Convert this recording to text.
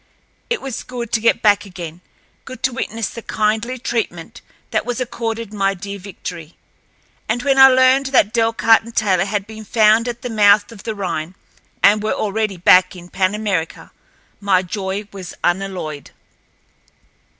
It was good to get back again, good to witness the kindly treatment that was accorded my dear Victory, and when I learned that Delcarte and Taylor had been found at the mouth of the Rhine and were already back in Pan America my joy was unalloyed.